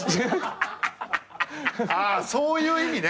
ああそういう意味ね。